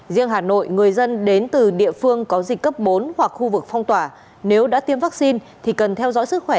riêng hà nội người dân đến từ địa phương có dịch cấp bốn hoặc khu vực phong tỏa nếu đã tiêm vaccine thì cần theo dõi sức khỏe